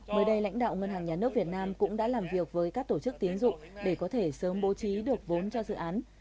mới đây lãnh đạo ngân hàng nhà nước việt nam cũng đã làm việc với các tổ chức tiến dụng để có thể sớm bố trí được vốn cho dự án